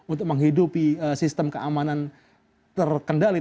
untuk menghidupi sistem keamanan terkendali